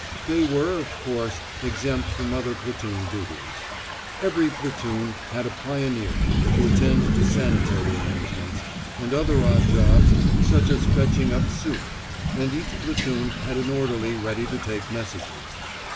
They were, of course, exempt from other platoon duties. Each platoon had a pioneer to attend to sanitary arrangements, and other odd jobs such as fetching up soup; and each platoon had an orderly ready to take messages.